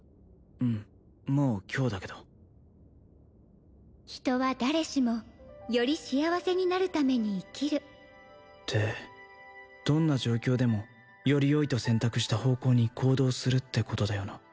うんもう今日だけど人は誰しもより幸せになるために生きるってどんな状況でもよりよいと選択した方向に行動するってことだよな